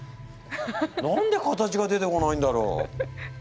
何で形が出てこないんだろう。